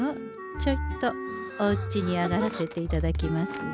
ちょいとおうちに上がらせていただきますよ。